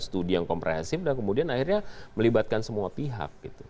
studi yang komprehensif dan kemudian akhirnya melibatkan semua pihak